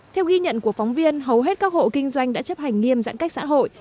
theo ghi nhận của phóng viên hầu hết các hộ kinh doanh đã chấp hành nghiêm giãn cách xã hội